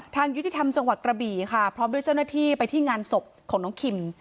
ยุติธรรมจังหวัดกระบี่ค่ะพร้อมด้วยเจ้าหน้าที่ไปที่งานศพของน้องคิม